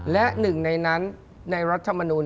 และหนึ่งในนั้นในรัฐมนูล